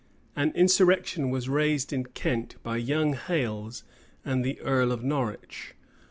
An insurrection was raised in Kent by young Hales and the earl of Norwich.